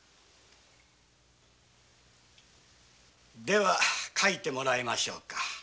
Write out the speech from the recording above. では書いてもらいましょうか。